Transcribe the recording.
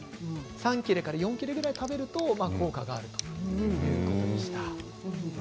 ３切れから４切れぐらい食べると効果があるということでした。